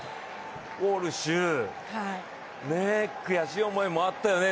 ウォルシュ、悔しい思いもあったよね。